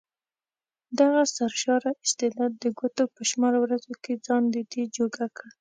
دغه سرشاره استعداد د ګوتو په شمار ورځو کې ځان ددې جوګه کړ.